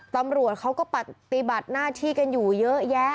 ตำรวจเขาก็ปฏิบัติหน้าที่กันอยู่เยอะแยะ